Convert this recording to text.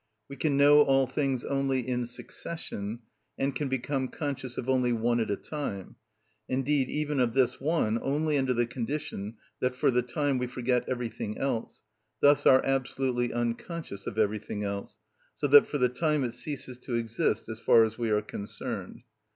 We can know all things only in succession, and can become conscious of only one at a time, indeed even of this one only under the condition that for the time we forget everything else, thus are absolutely unconscious of everything else, so that for the time it ceases to exist as far as we are concerned.